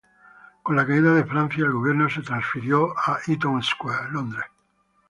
Con la caída de Francia, el gobierno se transfirió a Eaton Square, Londres.